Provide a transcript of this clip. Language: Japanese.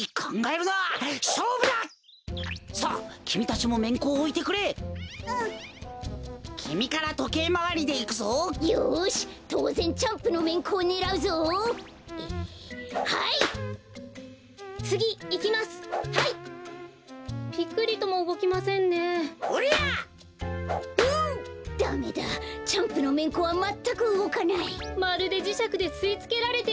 まるでじしゃくですいつけられているようです！